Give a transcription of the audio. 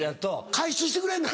加湿してくれんの？